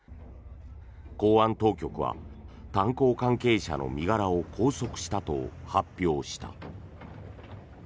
公安当局は炭鉱関係者の身柄を拘束したと発表した。